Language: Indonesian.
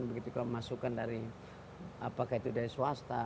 begitu kalau masukan dari apakah itu dari swasta